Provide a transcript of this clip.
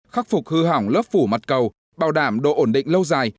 khắc phục hư hỏng lớp phủ mặt cầu bảo đảm độ ổn định lâu dài